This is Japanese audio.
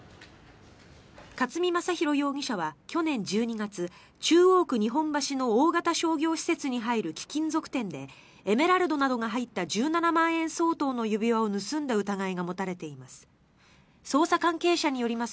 勝見将博容疑者は去年１２月中央区日本橋の大型商業施設に入る貴金属店でエメラルドなどが入った１７万円相当の指輪を盗んだ疑いが持たれています。